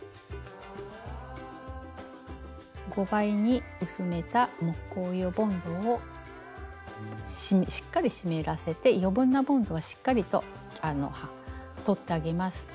５倍に薄めた木工用ボンドをしっかり湿らせて余分なボンドはしっかりと取ってあげます。